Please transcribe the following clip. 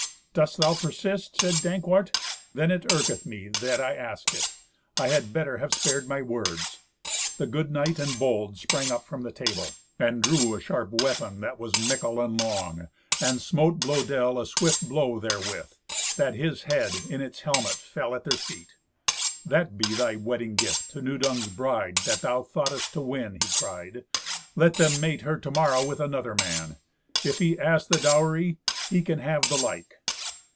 "Dost thou persist?" said Dankwart. "Then it irketh me that I asked it. I had better have spared my words." The good knight and bold sprang up from the table, and drew a sharp weapon that was mickle and long, and smote Blœdel a swift blow therewith, that his head, in its helmet, fell at their feet. "That be thy wedding gift to Nudung's bride, that thou thoughtest to win!" he cried. "Let them mate her to morrow with another man; if he ask the dowry, he can have the like."